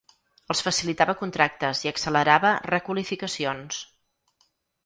Els facilitava contractes i accelerava requalificacions.